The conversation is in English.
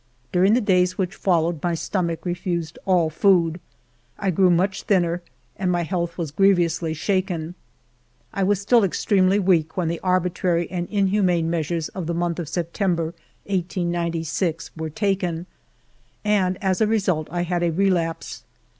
During the days which followed, my stomach refused all food. I grew much thinner, and my health was grievously shaken. I was still extremely weak when the arbitrary and inhumane measures of the month of September, 1896, were taken ; and as a result I had a relapse.